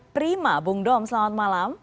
prima bung dom selamat malam